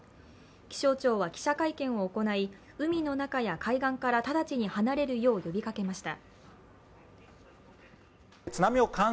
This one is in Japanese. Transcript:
気象庁は記者会見を行い、海の中や海岸から直ちに離れるよう呼びかけました。